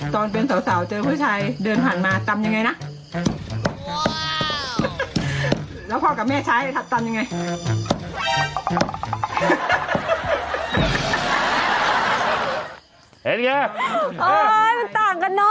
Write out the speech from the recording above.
ตอนเป็นสาวเจอผู้ชายเดินผ่านมาตำยังไงนะ